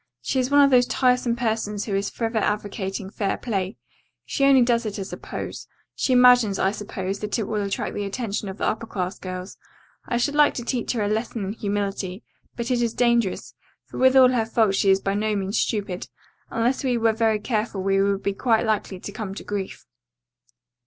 She is one of those tiresome persons who is forever advocating fair play. She only does it as a pose. She imagines, I suppose that it will attract the attention of the upper class girls. I should like to teach her a lesson in humility, but it is dangerous, for with all her faults she is by no means stupid, and unless we were very careful we would be quite likely to come to grief."